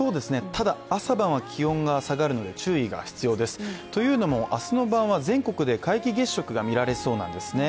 ただ、朝晩は気温が下がるので注意が必要です。というのも明日の晩は全国で皆既月食が見られそうなんですね。